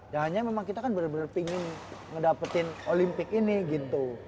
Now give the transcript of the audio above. ya hanya memang kita kan bener bener pingin ngedapetin olimpik ini gitu